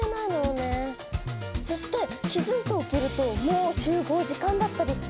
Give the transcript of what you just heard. そして気づいておきるともう集合時間だったりして。